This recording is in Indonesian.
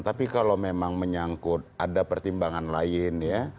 tapi kalau memang menyangkut ada pertimbangan lain ya